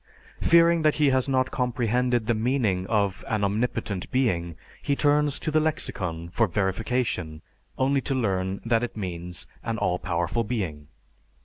Fearing that he has not comprehended the meaning of an omnipotent being, he turns to the lexicon for verification, only to learn that it means an all powerful being.